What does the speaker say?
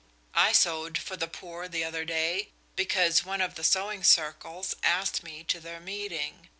I sewed for the poor the other day, because one of the sewing circles asked me to their meeting.